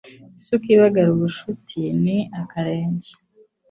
Isuka ibagara ubucuti ni akarenge